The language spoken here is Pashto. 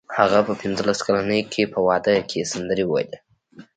هغه په پنځلس کلنۍ کې په واده کې سندرې وویلې